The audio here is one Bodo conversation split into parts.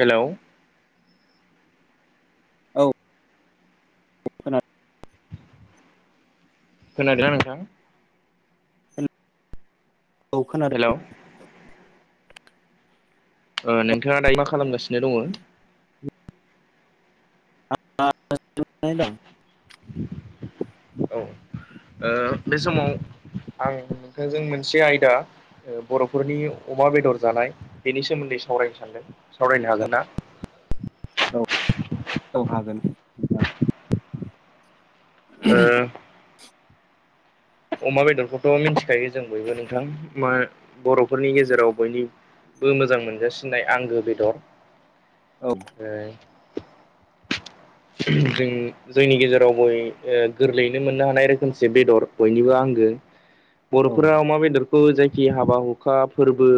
हेल' औ खोनादों खोनादों ना नोंथां औ खोनादों हेल' औ नोंथाङा दायो मा खालामगासिनो दङ [unintelligible] औ बे समाव आं नोंथांजों मोनसे आयदा बर'फोरनि अमा बेदर जानाय बेनि सोमोन्दै सावरायनो सानदों सावरायनो हागोन ना औ औ हागोन ओ अमा बेदरखौथ' मिथिखायो जों बयबो नोंथां मा बर'फोरनि गेजेराव बयनि बो मोजां मोनजासिननाय आंगो बेदर औ ओय जों जोंनि गेजेराव गय ओ गोरलैयैनो मोननो हानाय रोखोमसे बेदर बयनिबो आंगो बर'फोरा औ अमा बेदरखौ जायखि हाबा हुखा फोरबो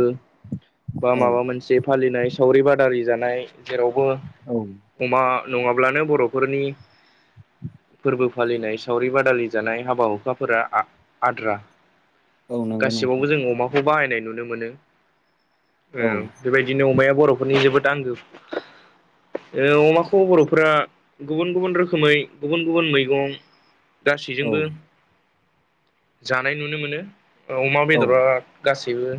बा औ माबा मोनसे फालिनाय सावरि बादारि जानाय जेरावबो औ अमा नङाब्लानो बर'फोरनि फोरबो फालिनाय सावरि बादालि जानाय हाबा हुखा फोर आद्रा औ नंगौ नोंथां गासिबावबो जों अमाखौ बाहायनाय नुनो मोनो औ औ बेबायदिनो अमाया बर'फोरनि जोबोद आंगो ओ अमाखौ बर'फोरा गुबुन गुबुन रोखोमै गुबुन गुबुन मैगं औ गासैजोंबो जानाय नुनो मोनो अमा औ बेदरा गासैबो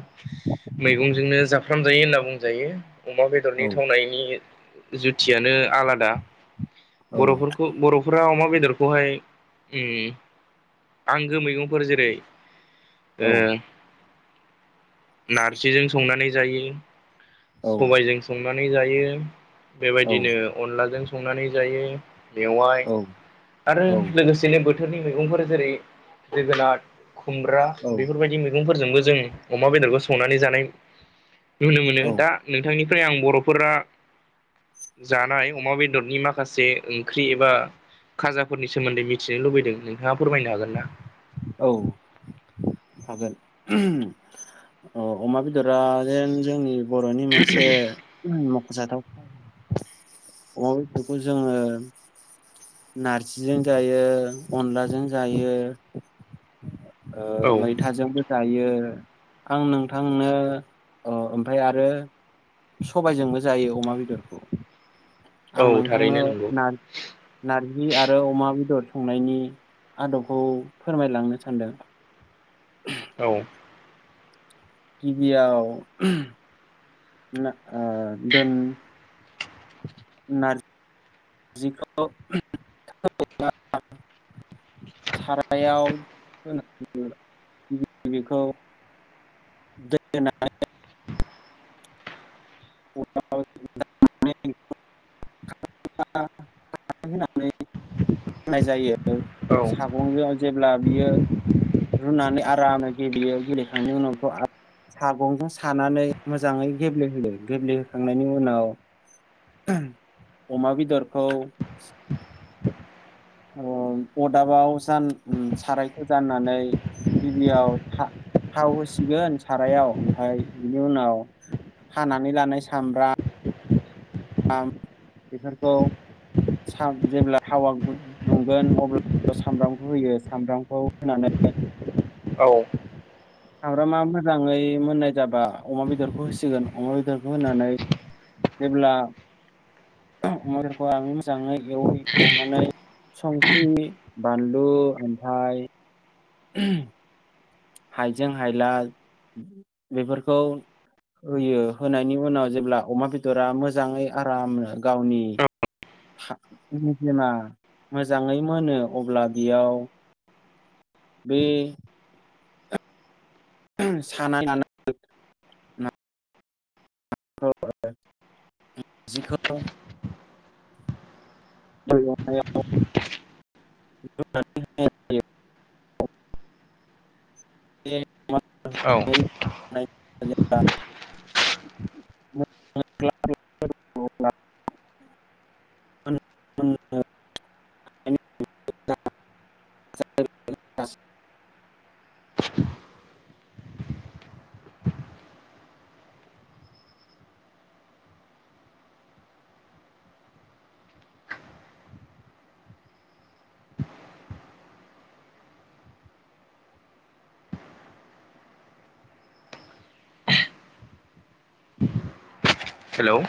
मैगंजोंनो जाफ्राम जायो होनना बुंजायो। अमा बेदरनि औ थावनायनि जुथियानो आलादा औ बर'फोर खौ बर'फोरा अमा बेदरखौहाय ओ आंगो मैगंफोर जेरै औ ओ नारजिजों संनानै जायो, सबायजों संनानै जायो, औ बेबायदिनो अनलाजों संनानै जायो, मेवाइ औ आरो लोगोसेनो बोथोरनि मैगंफोर जेरै जोगोनार, खुमब्रा बेफोरबायदि मैगंफोरजोंबो जों अमा बेदरखौ संनानै जानाय नुनो मोनो दा नोंथांनिफ्राय आं बर'फोरा जानाय अमा बेदरनि माखासे ओंख्रि एबा खाजाफोरनि सोमोन्दै मिथिनो लुबैदों नोंथाङा फोरमायनो हागोन ना? औ हागोन ओ अमा बेदरा जेन जोंनि बर'नि मोनसे मख'जाथाव अमा बेदरखौ जोङो नारजिजों जायो, अनलाजों जायो आ औ मैथाजोंबो जायो आं नोंथांनो ओमफ्राय आरो सबायजोंबो जायो अमा बेदरखौ औ आं नोंथांनो थारैनो नंगौ नार नारजि आरो अमा बेदर संनायनि आदबखौ फोरमायलांनो सानदों। [inaudible] औ गिबियाव ओ न ओ दोन नार जिखौ [unintelligible] सारायाव होनानै [unintelligible] बेखौ [unintelligible] [unintelligible] [inaudible] [unintelligible] होनानै खालामनाय जायो औ सागंजों जेब्ला बियो रुनानै आरामै गेब्लेयो गेब्लेखांनायनि उनावथ' आ सागंजों सानानै मोजाङै गेब्लेहोयो गेब्लेहोखांनायनि उनाव अमा बेदरखौ अ अरदाबाव जान सारायखौ जाननानै गिबियाव था थाव होसिगोन सारायाव ओमफ्राय बिनि उनाव हानानै लानाय सामब्राम ब्राम बेफोरखौ साम जेब्ला थावा गु दुंगोन अब्ला सामब्रामखौ होयो सामब्रामखौ होनानै औ सामब्रामा मोजाङै मोननाय जाबा अमा बेदरखौ होसिगोन अमा बेदरखौ होनानै जेब्ला अमा मदखौ आ [unintelligible] मोजाङै एवहै एवनानै संख्रि, बानलु ओमफाय [inaudible] हाइजें हायला बेफोरखौ होयो होनायनि उनाव जेब्ला अमा बेदरा मोजाङै आरामनो गावनि निजमा मोजाङै मोनो अब्ला बेयाव बे साना जिखौ [inaudible] [inaudible] [inaudible] [inaudible] [inaudible] औ [inaudible] [inaudible] [inaudible] [inaudible] हेल'